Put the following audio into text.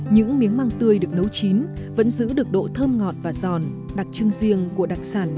những miếng măng tươi được nấu chín vẫn giữ được độ thơm ngọt và giòn đặc trưng riêng của đặc sản miếng